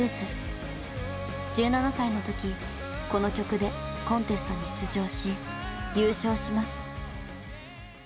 １７歳の時この曲でコンテストに出場し優勝します。